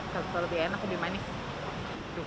kalau lebih enak lebih manis